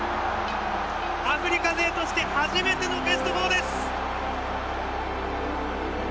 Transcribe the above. アフリカ勢として初めてのベスト４です！